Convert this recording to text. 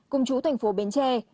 cùng chú thành phố bến tre